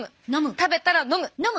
食べたら飲む！